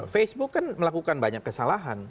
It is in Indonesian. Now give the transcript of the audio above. facebook kan melakukan banyak kesalahan